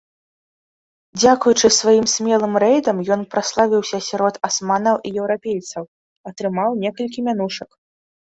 Дзякуючы сваім смелым рэйдам ён праславіўся сярод асманаў і еўрапейцаў, атрымаў некалькі мянушак.